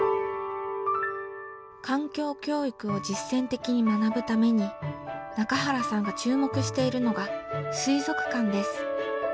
環境教育を実践的に学ぶために中原さんが注目しているのが水族館です。